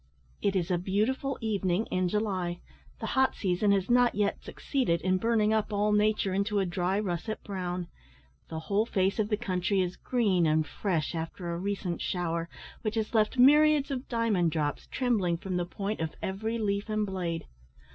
It is a beautiful evening in July. The hot season has not yet succeeded in burning up all nature into a dry russet brown. The whole face of the country is green and fresh after a recent shower, which has left myriads of diamond drops trembling from the point of every leaf and blade.